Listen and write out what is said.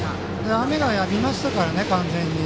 雨が、やみましたから完全に。